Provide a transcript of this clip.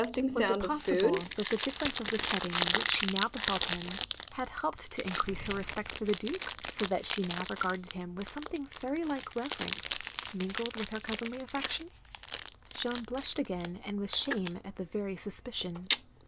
Was it possible that the difference of the setting in which she now beheld him, had helped to in crease her respect for the Duke, so that she now regarded him with something very like reverence, mingled with her cousinly affection? Jeanne blushed again, and with shame, at the very suspicion.